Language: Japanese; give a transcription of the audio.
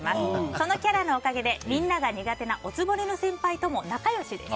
このキャラのおかげでみんなが苦手なお局の先輩とも仲良しです。